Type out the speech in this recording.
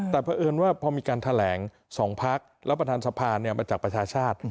แต่เพราะเอิญว่าพอมีการแถลง๒พักแล้วประธานสภามาจากประชาชาติ